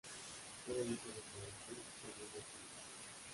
Era hijo de Efraín Hunt y Olivia Smith.